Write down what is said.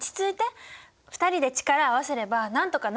２人で力を合わせればなんとかなるよ！